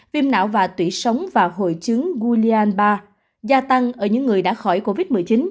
viêm não và tủy sóng và hội chứng gia tăng ở những người đã khỏi covid một mươi chín